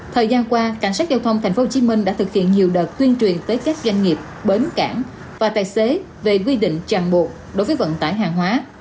thời gian qua cảnh sát giao thông tp hcm đã thực hiện nhiều đợt tuyên truyền tới các doanh nghiệp bến cảng và tài xế về quy định chẳng buộc đối với vận tải hàng hóa